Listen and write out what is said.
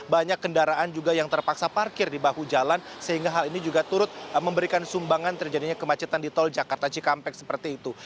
banyak kendaraan juga yang terpaksa parkir di bahu jalan sehingga hal ini juga turut memberikan sumbangan terjadinya kemacetan di tol jakarta cikampek seperti itu